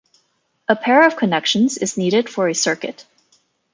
A pair of connections is needed for a circuit.